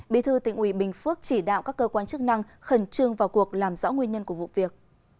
bí thư tỉnh ủy bình phước chỉ đạo các cơ quan chức năng khẩn trương vào cuộc làm rõ nguyên nhân của vụ việc